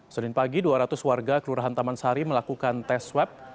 senin pagi dua ratus warga kelurahan taman sari melakukan tes swab